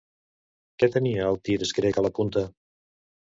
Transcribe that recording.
Què tenia el tirs grec a la punta?